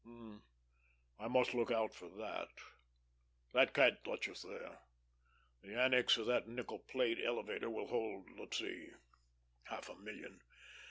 "H'm ... I must look out for that.... They can't touch us there.... The annex of that Nickel Plate elevator will hold let's see ... half a million....